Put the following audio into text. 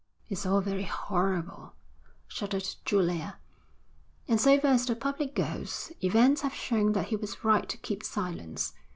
'It's all very horrible,' shuddered Julia. 'And so far as the public goes, events have shown that he was right to keep silence.